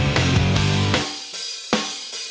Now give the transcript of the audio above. มันอยู่ที่หัวใจ